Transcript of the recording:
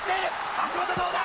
橋本どうだ？